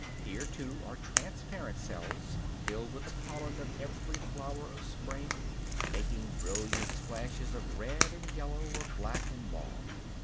Here, too, are transparent cells filled with the pollen of every flower of spring, making brilliant splashes of red and yellow, of black and mauve.